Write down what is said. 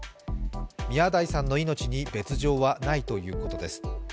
宮台さんの命に別状はないということです。